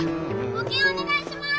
募金お願いします！